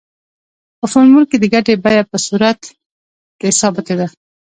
په فورمول کې د ګټې بیه په صورت کې ثابته ده